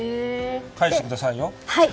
返してくださいよ。